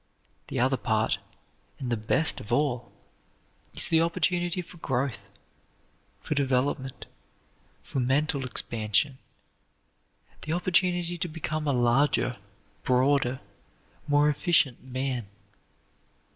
The other part, and the best of all, is the opportunity for growth, for development, for mental expansion; the opportunity to become a larger, broader, more efficient man.